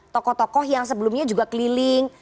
tokoh tokoh yang sebelumnya juga keliling